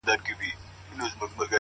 • اوس مي د زړه پر تكه سپينه پاڼه ـ